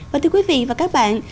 và thưa quý vị và các bạn